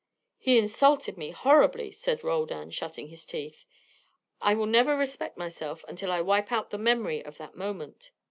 "He insulted me horribly," said Roldan, shutting his teeth. "I will never respect myself until I wipe out the memory of that moment."